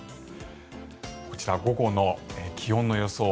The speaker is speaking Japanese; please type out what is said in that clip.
こちら、午後の気温の予想。